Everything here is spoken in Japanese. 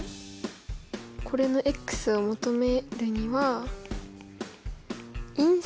これのを求めるには。